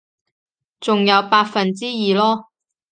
仲有百分之二囉